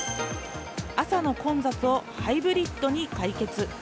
朝の混雑をハイブリッドに解決。